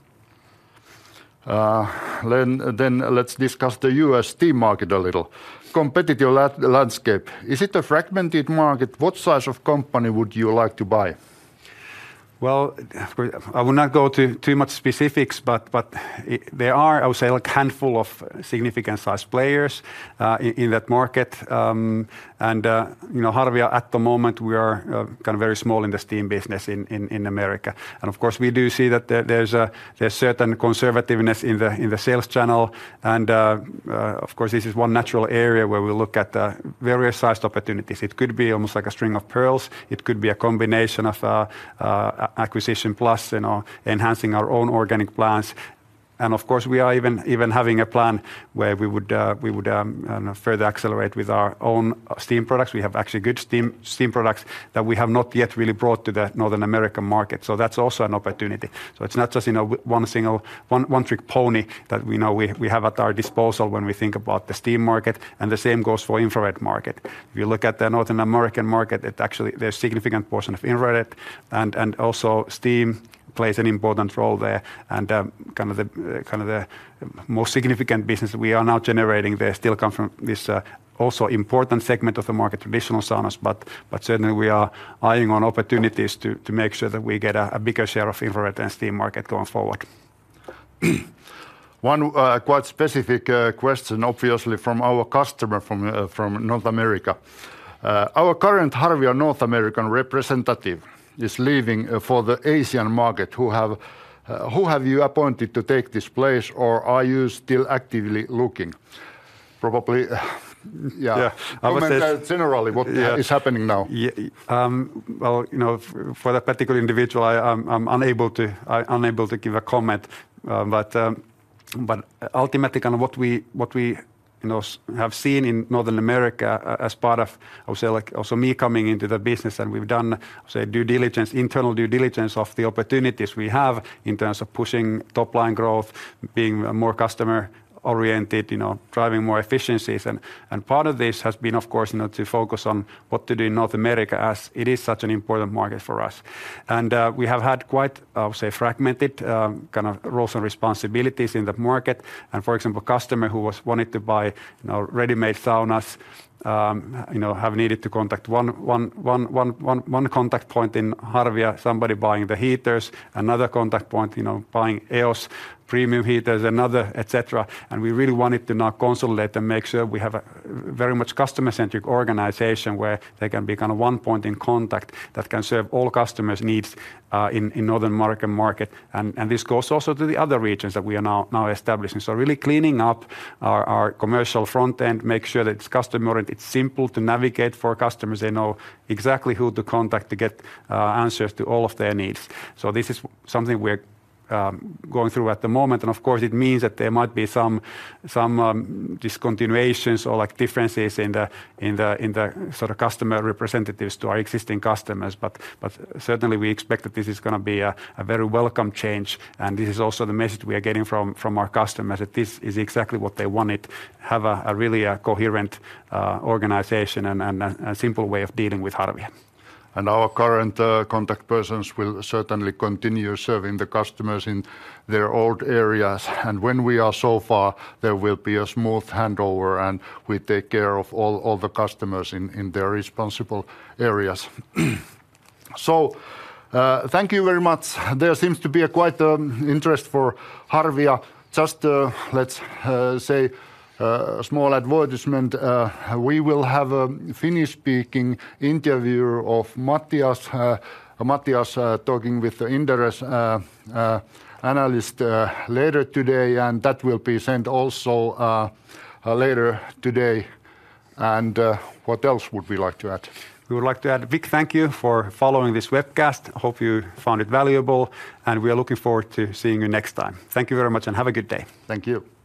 Speaker 2: Then let's discuss the U.S. steam market a little. Competitive landscape: Is it a fragmented market? What size of company would you like to buy?
Speaker 1: Well, I will not go to too much specifics, but there are, I would say, like handful of significant-sized players in that market. And you know, Harvia, at the moment, we are kind of very small in the steam business in America. And of course, we do see that there's certain conservativeness in the sales channel. And of course, this is one natural area where we look at various sized opportunities. It could be almost like a string of pearls. It could be a combination of acquisition plus, you know, enhancing our own organic plans. And of course, we are even having a plan where we would further accelerate with our own steam products. We have actually good steam, steam products that we have not yet really brought to the North America market, so that's also an opportunity. So it's not just, you know, one single... one trick pony that we know we have at our disposal when we think about the steam market, and the same goes for infrared market. If you look at the North American market, it actually, there's significant portion of infrared, and also steam plays an important role there. And, kind of the, kind of the more significant business we are now generating there still come from this, also important segment of the market, traditional saunas, but certainly we are eyeing on opportunities to make sure that we get a bigger share of infrared and steam market going forward.
Speaker 2: One, quite specific question, obviously from our customer, from North America. Our current Harvia North American representative is leaving for the Asian market. Who have you appointed to take this place, or are you still actively looking? Probably, yeah.
Speaker 1: Yeah, I would say-
Speaker 2: Comment, generally-
Speaker 1: Yeah...
Speaker 2: what is happening now?
Speaker 1: Yeah. Well, you know, for that particular individual, I'm unable to give a comment. But ultimately, kind of what we have seen in North America as part of, I would say, like also me coming into the business, and we've done, say, due diligence, internal due diligence of the opportunities we have in terms of pushing top-line growth, being more customer-oriented, you know, driving more efficiencies. And part of this has been, of course, you know, to focus on what to do in North America, as it is such an important market for us. And we have had quite, I would say, fragmented kind of roles and responsibilities in the market. For example, customer who was wanting to buy, you know, ready-made saunas, you know, have needed to contact one contact point in Harvia, somebody buying the heaters, another contact point, you know, buying EOS premium heaters, another, et cetera. And we really wanted to now consolidate and make sure we have a very much customer-centric organization, where there can be kind of one point in contact that can serve all customers' needs, in the North American market. And this goes also to the other regions that we are now establishing. So really cleaning up our commercial front end, make sure that it's customer-oriented, it's simple to navigate for customers. They know exactly who to contact to get answers to all of their needs. So this is something we're going through at the moment, and of course, it means that there might be some discontinuations or, like, differences in the sort of customer representatives to our existing customers. But certainly we expect that this is gonna be a very welcome change, and this is also the message we are getting from our customers, that this is exactly what they wanted, have a really coherent organization and a simple way of dealing with Harvia.
Speaker 2: And our current contact persons will certainly continue serving the customers in their old areas. And when we are so far, there will be a smooth handover, and we take care of all, all the customers in, in their responsible areas. So, thank you very much. There seems to be a quite interest for Harvia. Just, let's say small advertisement, we will have a Finnish-speaking interviewer of Matias, Matias, talking with the Inderes analyst, later today, and that will be sent also later today. And, what else would we like to add?
Speaker 1: We would like to add a big thank you for following this webcast. Hope you found it valuable, and we are looking forward to seeing you next time. Thank you very much, and have a good day.
Speaker 2: Thank you. Bye.